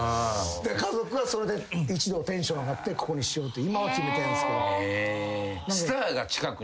家族がそれで一同テンション上がってここにしようと今は決めてんすけど。